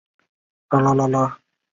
甘卓人。